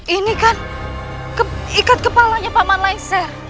ini kan ikat kepalanya paman laisar